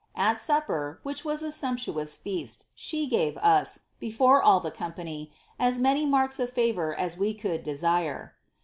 At sapper, which was a sumptuous feast, she gave us, lefore all the company, as many marks of favour as we could desire.